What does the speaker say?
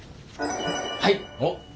はい！